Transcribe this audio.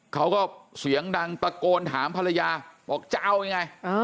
เขาก็เสียงดังตะโกนถามภรรยาบอกจะเอายังไง